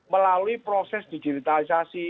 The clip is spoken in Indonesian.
melalui proses digitalisasi